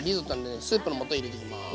スープの素入れていきます。